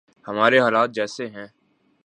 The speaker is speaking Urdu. ہمارے حالات جیسے ہیں۔